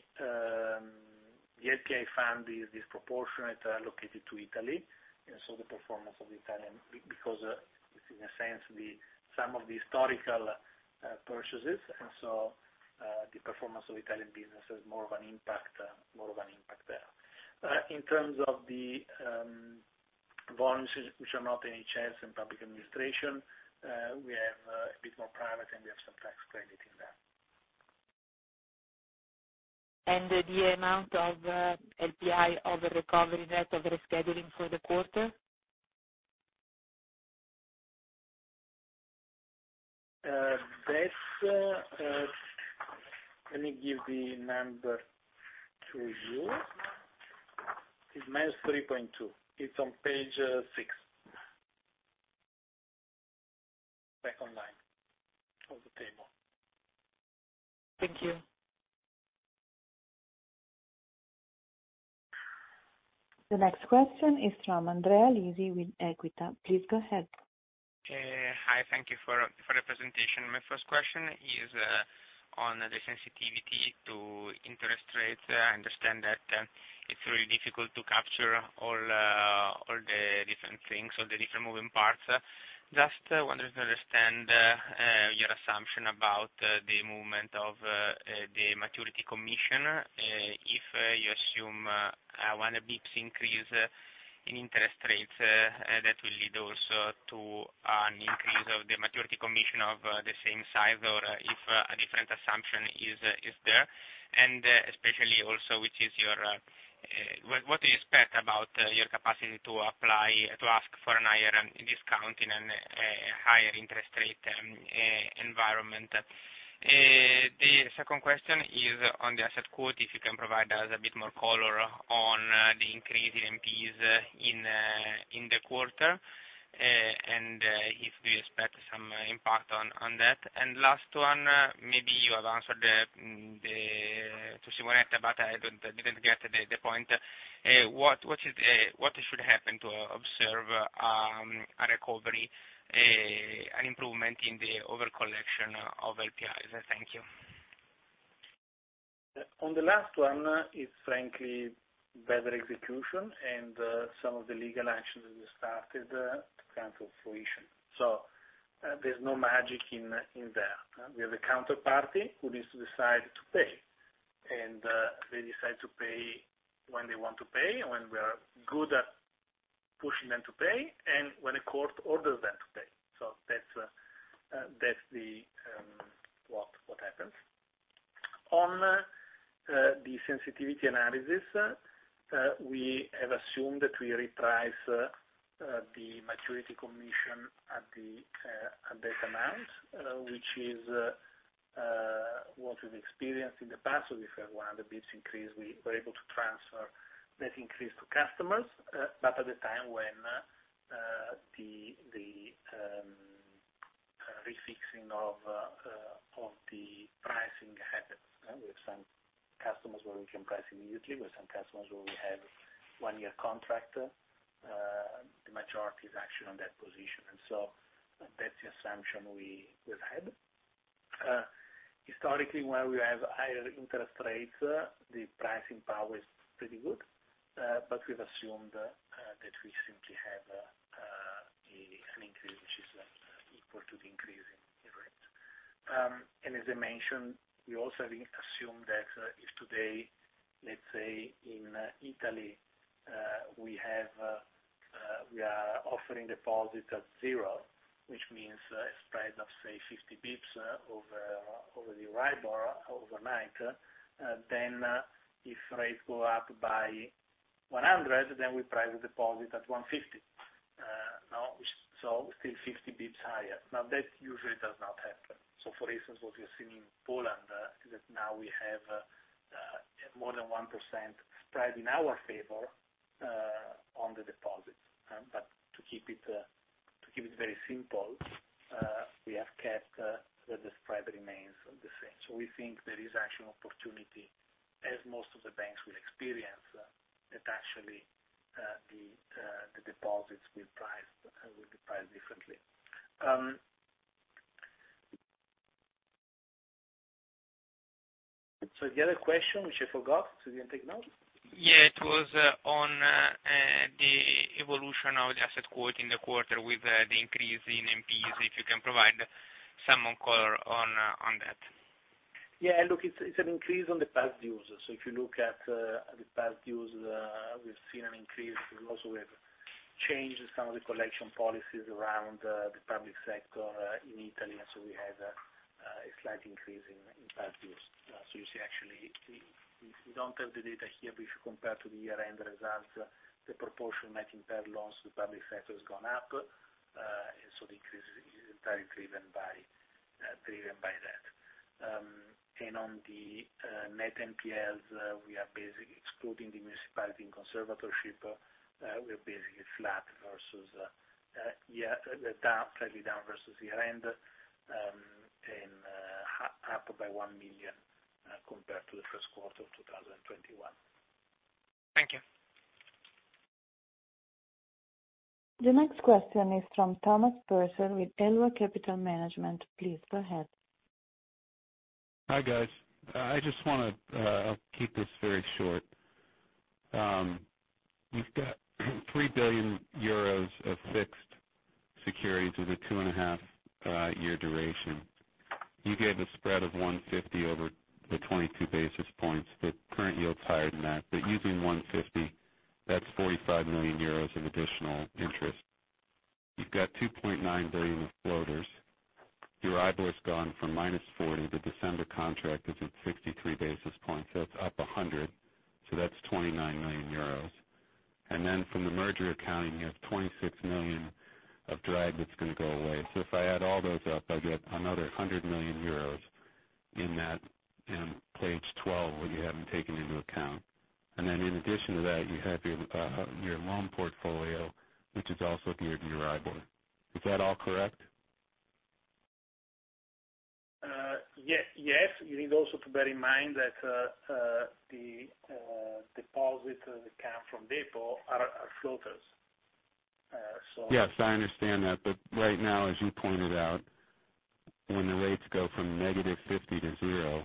S1: LPI fund is disproportionately allocated to Italy, and so the performance of Italian business because it's in a sense some of the historical purchases. The performance of Italian business has more of an impact there. In terms of the balances which are not NHS and public administration, we have a bit more private, and we have some tax credit in there.
S7: The amount of LPI over recovery net of rescheduling for the quarter?
S1: Let me give the number to you. It's -3.2. It's on page six of the table. Back online.
S7: Thank you.
S3: The next question is from Andrea Lisi with Equita. Please go ahead.
S8: Hi. Thank you for the presentation. My first question is on the sensitivity to interest rates. I understand that it's really difficult to capture all the different things, all the different moving parts. Just wondering to understand your assumption about the movement of the maturity commission. If you assume one of these increase in interest rates that will lead also to an increase of the maturity commission of the same size or if a different assumption is there? Especially also, what do you expect about your capacity to apply, to ask for a higher discount in a higher interest rate environment? The second question is on the asset quality, if you can provide us a bit more color on the increase in NPEs in the quarter, and if we expect some impact on that. Last one, maybe you have answered to Simonetta, but I didn't get the point. What should happen to observe a recovery, an improvement in the over collection of LPIs? Thank you.
S1: On the last one, it's frankly better execution and some of the legal actions that we started to come to fruition. There's no magic in there. We have a counterparty who needs to decide to pay. They decide to pay when they want to pay, when we are good at pushing them to pay and when a court orders them to pay. That's what happens. On the sensitivity analysis, we have assumed that we reprice the maturity commission at that amount, which is what we've experienced in the past. If we have a 100 basis points increase, we were able to transfer that increase to customers, but at the time when the refixing of the pricing happens. We have some customers where we can price immediately. We have some customers where we have one-year contract. The majority is actually on that position. That's the assumption we've had. Historically, where we have higher interest rates, the pricing power is pretty good. But we've assumed that we simply have an increase which is equal to the increase in rates. As I mentioned, we also assume that if today, let's say, in Italy, we are offering deposit at 0, which means a spread of, say, 50 BPS over the IBOR overnight, then if rates go up by 100, then we price the deposit at 150. Now, so still 50 BPS higher. That usually does not happen. For instance, what we are seeing in Poland is that now we have more than 1% spread in our favor on the deposits. But to keep it very simple, we have kept the spread remains the same. We think there is actual opportunity, as most of the banks will experience, that actually the deposits will be priced differently. The other question, which I forgot since I didn't take notes?
S8: Yeah. It was on the evolution of the asset quality in the quarter with the increase in NPEs. If you can provide some more color on that.
S1: Look, it's an increase on the past dues. If you look at the past dues, we've seen an increase. We also have changed some of the collection policies around the public sector in Italy, and we had a slight increase in past dues. You see actually, we don't have the data here, but if you compare to the year-end results, the proportion net impaired loans, the public sector has gone up. The increase is entirely driven by that. On the net NPLs, we are basically excluding the municipality under extraordinary administration, we're basically flat versus, down, slightly down versus year-end, and up by 1 million compared to the first quarter of 2021.
S8: Thank you.
S3: The next question is from Thomas Passer with Elwa Capital Management. Please go ahead.
S9: Hi, guys. I just want to, I'll keep this very short. You've got 3 billion euros of fixed securities with a 2.5-year duration. You gave a spread of 150 over the 22 basis points. The current yield is higher than that. Using 150, that's 45 million euros in additional interest. You've got 2.9 billion of floaters. Your Euribor has gone from -40. The December contract is at 63 basis points, so it's up 100, so that's 29 million euros. Then from the merger accounting, you have 26 million of drag that's going to go away. If I add all those up, I get another 100 million euros in that, in page 12, where you haven't taken into account. In addition to that, you have your loan portfolio, which has also given you IBOR. Is that all correct?
S1: Yes. You need also to bear in mind that the deposit that come from DEPObank are floaters.
S9: Yes, I understand that. Right now, as you pointed out, when the rates go from -50 to 0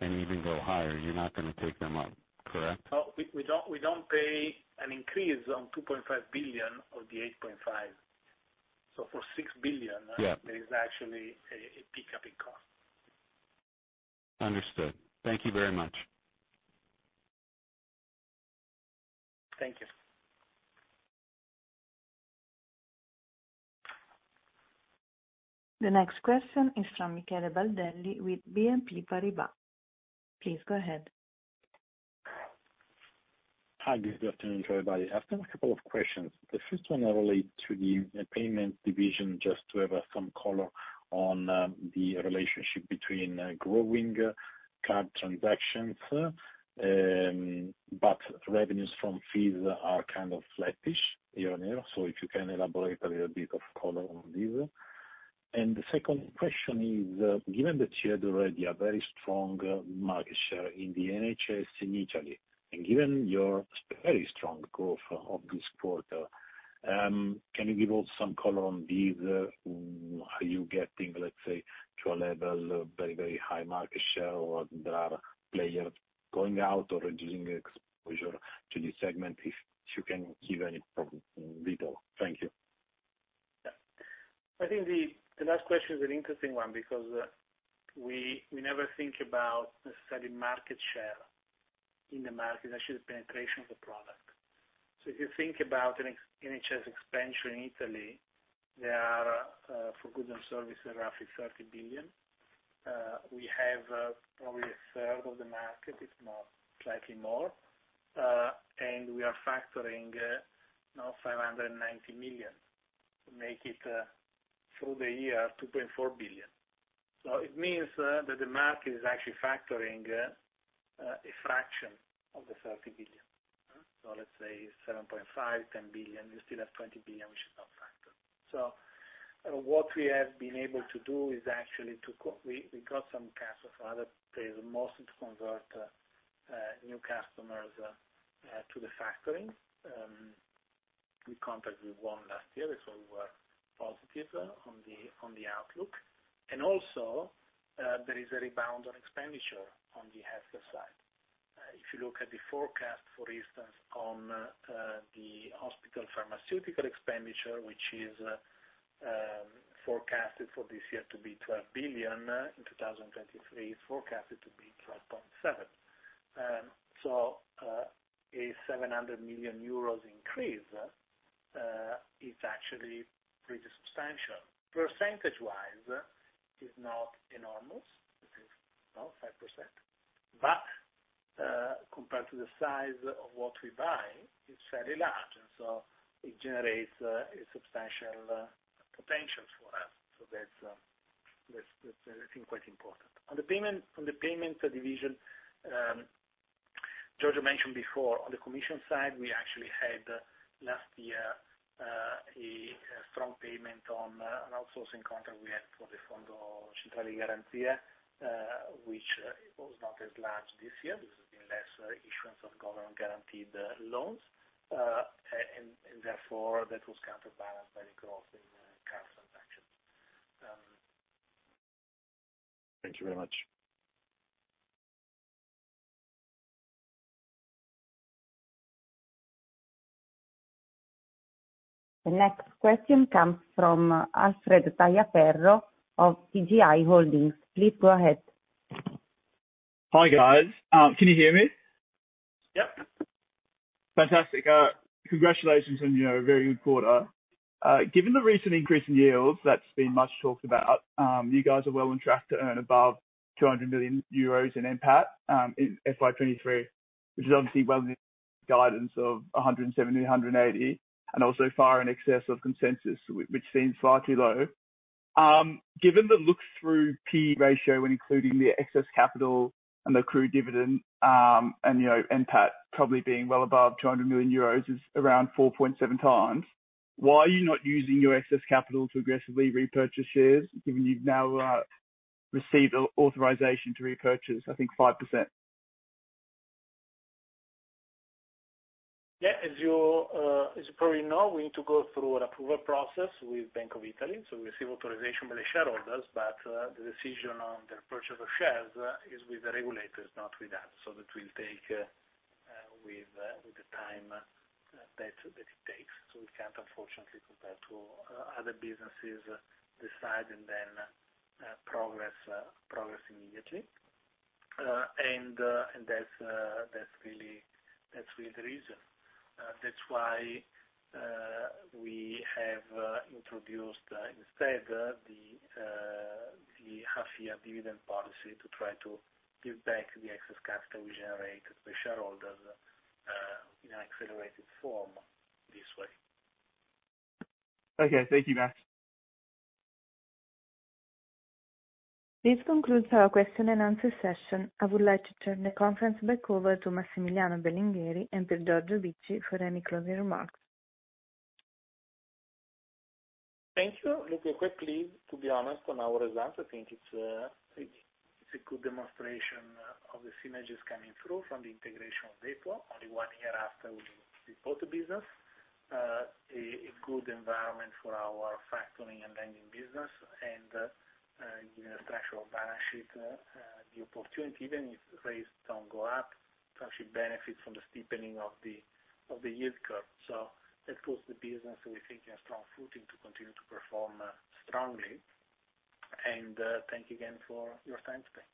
S9: and even go higher, you're not going to take them up. Correct?
S1: No. We don't pay an increase on 2.5 billion of the 8.5. For 6 billion-
S9: Yeah.
S1: There is actually a pickup in cost.
S9: Understood. Thank you very much.
S1: Thank you.
S3: The next question is from Michele Baldelli with BNP Paribas. Please go ahead.
S10: Hi. Good afternoon to everybody. I have a couple of questions. The first one relate to the payments division, just to have some color on the relationship between growing card transactions, but revenues from fees are kind of flattish year-over-year. If you can elaborate a little bit of color on this. The second question is, given that you had already a very strong market share in the NHS in Italy, and given your very strong growth of this quarter, can you give us some color on these? Are you getting, let's say, to a level of very, very high market share, or there are players going out or reducing exposure to this segment, if you can give any more detail. Thank you.
S1: Yeah. I think the last question is an interesting one because we never think about necessarily market share in the market, actually the penetration of the product. If you think about an ex-NHS expenditure in Italy, there are for goods and services, roughly 30 billion. We have probably a third of the market, if not slightly more. We are factoring now 590 million to make it through the year 2.4 billion. It means that the market is actually factoring a fraction of the 30 billion. Let's say 7.5-10 billion, you still have 20 billion which is not factored. What we have been able to do is actually to We got some cash from other players, mostly to convert new customers to the factoring. We contracted with one last year, so we were positive on the outlook. Also, there is a rebound on expenditure on the healthcare side. If you look at the forecast, for instance, on the hospital pharmaceutical expenditure, which is forecasted for this year to be 12 billion. In 2023, it's forecasted to be 12.7 billion. A 700 million euros increase is actually pretty substantial. Percentage-wise, it's not enormous. It is about 5%. Compared to the size of what we buy, it's very large, and so it generates a substantial potential for us. That's, I think, quite important. On the payment division, Giorgio mentioned before on the commission side, we actually had last year a strong payment on an outsourcing contract we had for the Fondo Centrale di Garanzia, which was not as large this year. This has been less issuance of government-guaranteed loans, and therefore, that was counterbalanced by the growth in cash transactions.
S10: Thank you very much.
S3: The next question comes from Alfred Tagliaferro of TGI Holdings. Please go ahead.
S11: Hi, guys. Can you hear me?
S1: Yep.
S11: Fantastic. Congratulations on your very good quarter. Given the recent increase in yields that's been much talked about, you guys are well on track to earn above 200 million euros in NPAT in FY 2023, which is obviously well within guidance of 170 million-180 million, and also far in excess of consensus, which seems slightly low. Given the look-through P/E ratio when including the excess capital and the cum dividend, you know, NPAT probably being well above 200 million euros is around 4.7x, why are you not using your excess capital to aggressively repurchase shares, given you've now received an authorization to repurchase, I think, 5%?
S1: Yeah. As you probably know, we need to go through an approval process with Bank of Italy. We receive authorization by the shareholders, but the decision on the purchase of shares is with the regulators, not with us. That will take the time that it takes. We can't, unfortunately, compared to other businesses, decide and then progress immediately. That's really the reason. That's why we have introduced instead the half-year dividend policy to try to give back the excess cash that we generate to the shareholders in an accelerated form this way.
S11: Okay. Thank you, guys.
S3: This concludes our question and answer session. I would like to turn the conference back over to Massimiliano Belingheri and Piergiorgio Bicci for any closing remarks.
S1: Thank you. Look, we're quite pleased, to be honest, on our results. I think it's a good demonstration of the synergies coming through from the integration of DEPObank only one year after we acquired the business. A good environment for our factoring and lending business and, given the structural balance sheet, the opportunity, even if rates don't go up, to actually benefit from the steepening of the yield curve. That grows the business, so we think we are on strong footing to continue to perform strongly. Thank you again for your time today.